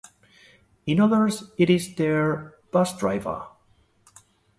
In others it is their bus driver.